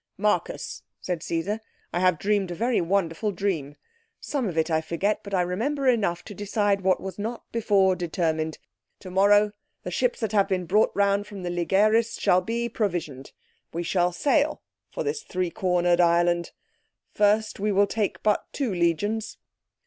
"Marcus," said Caesar. "I have dreamed a very wonderful dream. Some of it I forget, but I remember enough to decide what was not before determined. Tomorrow the ships that have been brought round from the Ligeris shall be provisioned. We shall sail for this three cornered island. First, we will take but two legions.